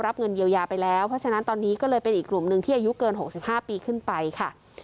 เงินเยียวยาไปแล้วเพราะฉะนั้นตอนนี้ก็เลยเป็นอีกกลุ่มหนึ่งที่อายุเกิน๖๕ปีขึ้นไปค่ะ